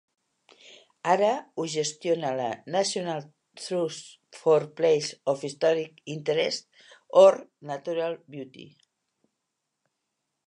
Ara ho gestiona la National Trust for Places of Historic Interest or Natural Beauty